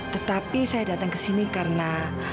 tetapi saya datang kesini karena